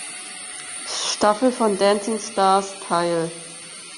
Staffel von Dancing Stars teil.